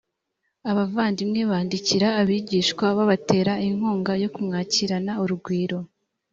abavandimwe bandikira abigishwa babatera inkunga yo kumwakirana urugwiro